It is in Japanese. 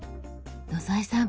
野添さん